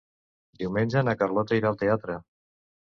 Diumenge na Carlota irà al teatre.